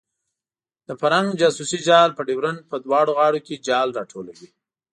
د فرنګ جاسوسي جال په ډیورنډ په دواړو غاړو کې جال راټولوي.